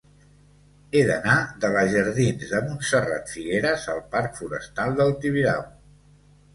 He d'anar de la jardins de Montserrat Figueras al parc Forestal del Tibidabo.